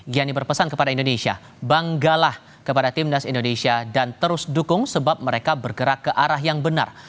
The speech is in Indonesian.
gianni berpesan kepada indonesia banggalah kepada timnas indonesia dan terus dukung sebab mereka bergerak ke arah yang benar